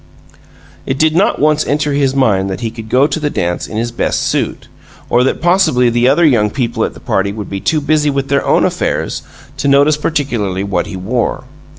It did not once enter his mind that he could go to the dance in his "best suit," or that possibly the other young people at the party would be too busy with their own affairs to notice particularly what he wore.